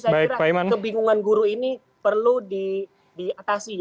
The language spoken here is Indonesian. jadi saya kira kebingungan guru ini perlu diatasi